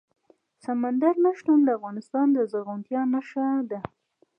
سمندر نه شتون د افغانستان د زرغونتیا نښه ده.